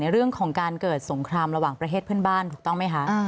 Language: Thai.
เรื่องของการเกิดสงครามระหว่างประเทศเพื่อนบ้านถูกต้องไหมคะ